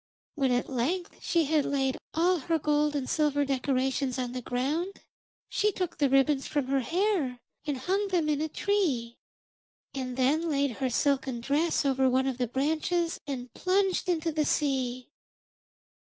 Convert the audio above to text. When at length she had laid all her gold and silver decorations on the ground, she took the ribbons from her hair and hung them in a tree, and then laid her silken dress over one of the branches and plunged into the sea.